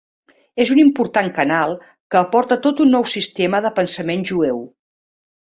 És un important canal que aporta tot un nou sistema de pensament jueu.